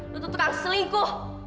lu tuh tukang selingkuh